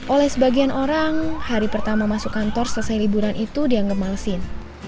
oleh sebagian orang hari pertama masuk kantor selesai liburan itu dianggap malesin